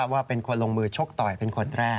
ว่าเป็นคนลงมือชกต่อยเป็นคนแรก